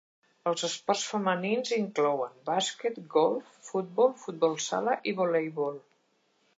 Els esports femenins inclouen bàsquet, golf, futbol, futbol sala i voleibol.